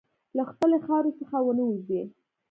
له خپلې خاورې څخه ونه وځې.